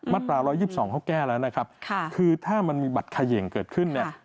ตรา๑๒๒เขาแก้แล้วนะครับคือถ้ามันมีบัตรเขย่งเกิดขึ้นเนี่ย